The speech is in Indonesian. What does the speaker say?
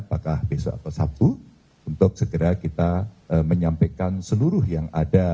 apakah besok atau sabtu untuk segera kita menyampaikan seluruh yang ada